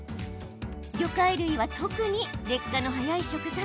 魚介類は特に劣化の早い食材。